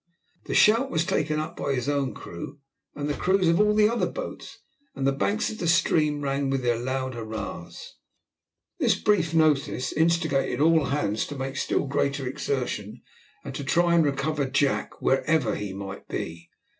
'" The shout was taken up by his own crew and the crews of all the other boats, and the banks of the stream rang with their loud hurrahs. This brief notice instigated all hands to make still greater exertions to try and recover Jack, wherever he might be.